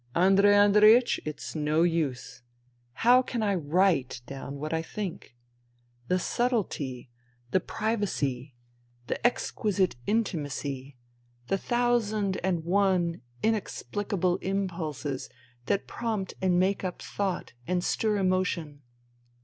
" Andrei Andreiech, it's no use. How can I write down what I think ? The subtlety, the privacy, the exquisite intimacy, the thousand and one inexpHcable impulses that prompt and make up thought and stir emotion